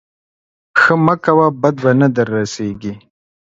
ښه مه کوه بد به نه در رسېږي.